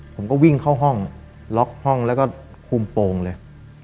ผมก็วิ่งเข้าห้องล็อกห้องแล้วก็คุมโปรงเลย